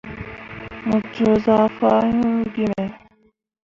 Mu coo zah fah hun gi me.